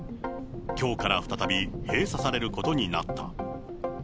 きょうから再び、閉鎖されることになった。